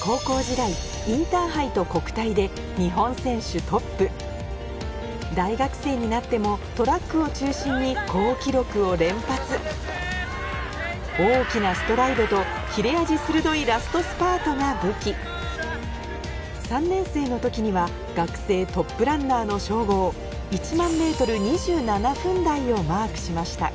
高校時代インターハイと国体で日本選手トップ大学生になってもトラックを中心に好記録を連発大きなストライドと切れ味鋭いラストスパートが武器３年生の時には学生トップランナーの称号１００００ｍ２７分台をマークしました